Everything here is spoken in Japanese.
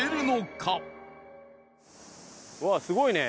うわすごいね！